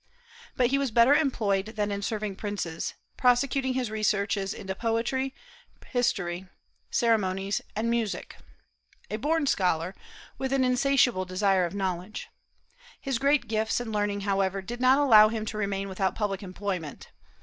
But he was better employed than in serving princes, prosecuting his researches into poetry, history, ceremonies, and music, a born scholar, with insatiable desire of knowledge. His great gifts and learning, however, did not allow him to remain without public employment.